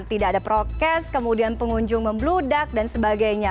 tidak ada prokes kemudian pengunjung membludak dan sebagainya